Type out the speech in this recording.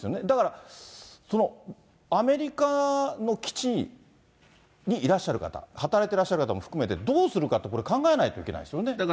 だから、そのアメリカの基地にいらっしゃる方、働いてらっしゃる方も含めてどうするかって、これ、考えないといけないですよね。